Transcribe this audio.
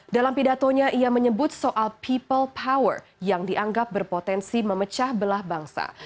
dalam pidatonya ia menyebut soal people power yang dianggap berpotensi memecah belah bangsa